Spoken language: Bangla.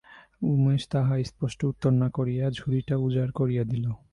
উমেশ তাহার স্পষ্ট উত্তর না করিয়া ঝুড়িটা উজাড় করিয়া দিল।